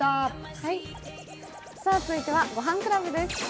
続いては「ごはんクラブ」です。